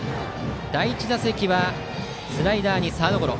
第１打席スライダーにサードゴロ。